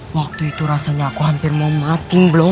waktu itu rasanya aku hampir mau mati belum